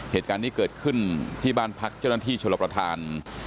เหตุการณ์นี้เกิดขึ้นที่บ้านพักเจ้าหน้าที่ชลประธาน